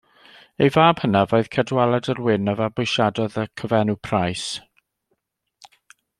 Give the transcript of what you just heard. Ei fab hynaf oedd Cadwaladr Wyn, a fabwysiadodd y cyfenw Price.